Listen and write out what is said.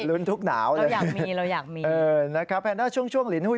ลุ้นทุกหนาวเลยเราอยากมีนะครับแพนด้าช่วงลินหุ้ย